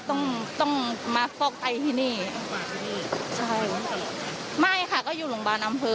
ต้องต้องมาฟอกไตที่นี่มาที่นี่ใช่ไม่ค่ะก็อยู่โรงพยาบาลอำเภอ